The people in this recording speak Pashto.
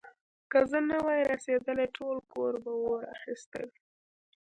که زه نه وای رسېدلی، ټول کور به اور اخيستی و.